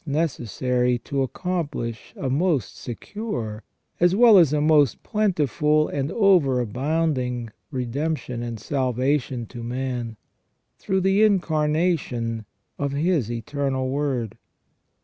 necessary to accomplish a most secure, as well as a most plentiful and overabounding redemption and salvation to man, through the Incarnation of His Eternal Word.